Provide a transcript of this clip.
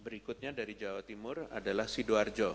berikutnya dari jawa timur adalah sidoarjo